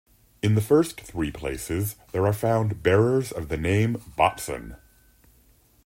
In the first three places, there are found bearers of the name Botzon.